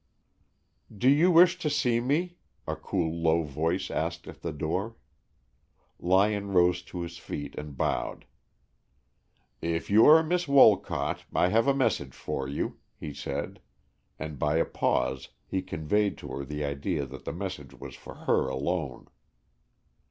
"Did you wish to see me?" a cool, low voice asked at the door. Lyon rose to his feet and bowed. "If you are Miss Wolcott, I have a message for you," he said, and by a pause he conveyed to her the idea that the message was for her alone.